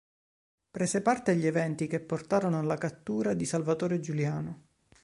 Prese parte agli eventi che portarono alla cattura di Salvatore Giuliano.